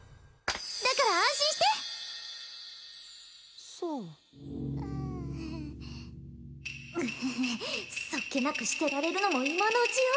だから安心してそうウフフそっけなくしてられるのも今のうちよ